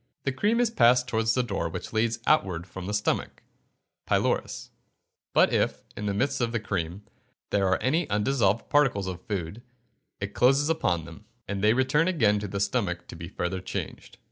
The cream is passed towards the door which leads outward from the stomach (pylorus); but if, in the midst of the cream, there are any undissolved particles of food, it closes upon them, and they return again to the stomach to be further changed.